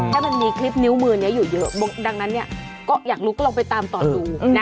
ถ้ามันมีคลิปนิ้วมือนี้อยู่เยอะดังนั้นก็อยากลุกลองไปตามต่อดูนะ